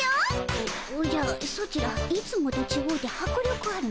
おおじゃソチらいつもとちごうてはくりょくあるの。